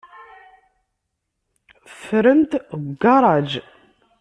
Ffrent deg ugaṛaj.